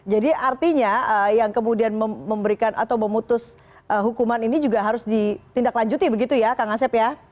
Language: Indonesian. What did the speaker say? jadi artinya yang kemudian memberikan atau memutus hukuman ini juga harus ditindaklanjuti begitu ya kak ngasip ya